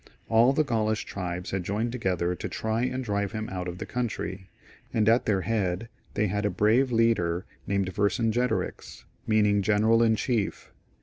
All the Gaulish tribes had joined together to try and drive him out of the country, and at their head they had a brave leader named Vercingetorix, meaning General in chief.